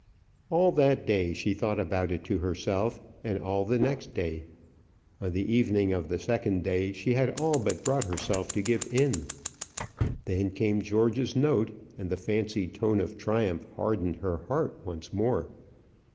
All that day she thought about it to herself, and all the next day. On the evening of the second day she had all but brought herself to give in. Then came George's note, and the fancied tone of triumph hardened her heart once more.